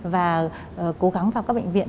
và cố gắng vào các bệnh viện